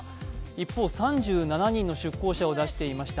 一方、３７人の出向者を出していました